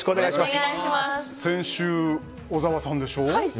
先週、小沢さんでしょ。